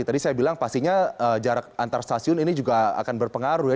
tadi saya bilang pastinya jarak antar stasiun ini juga akan berpengaruh ya